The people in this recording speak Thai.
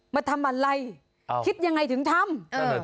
มาทำอะไรคิดยังไงถึงทำ